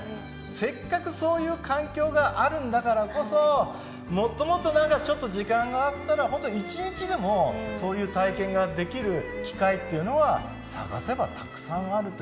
せっかくそういう環境があるんだからこそもっともっと時間があったら本当一日でもそういう体験ができる機会っていうのは探せばたくさんあるということですから。